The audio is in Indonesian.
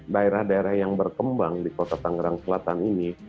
daerah daerah yang berkembang di kota tangerang selatan ini